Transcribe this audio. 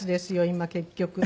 今結局。